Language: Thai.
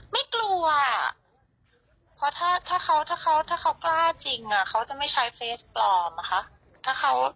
พี่บอกก็ก็ว่าได้อักก็มาก็พร้อมค่ะช้าที่ทราบมานะคะ